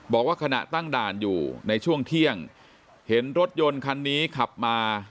บอกว่าขณะตั้งด่านอยู่ในช่วงเที่ยงเห็นรถยนต์คันนี้ขับมา